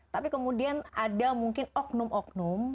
tapi kemudian ada mungkin oknum oknum